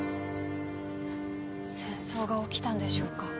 戦争が起きたんでしょうか